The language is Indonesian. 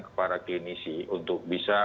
ke para klinisi untuk bisa